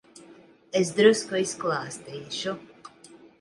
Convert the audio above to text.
Es drusku izklāstīšu.